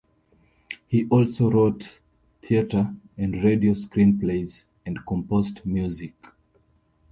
He also wrote theatre and radio screenplays and composed music.